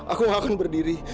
aku gak akan berdiri